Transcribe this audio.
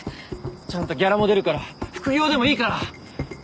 ちゃんとギャラも出るから副業でもいいから。